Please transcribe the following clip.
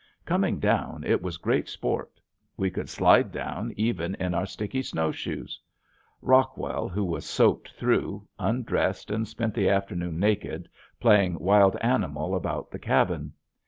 Coming down it was great sport. We could slide down even in our sticky snowshoes. Rockwell, who was soaked through, undressed and spent the afternoon naked, playing wild animal about the cabin.